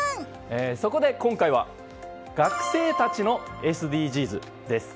そこで今回は学生たちのＳＤＧｓです。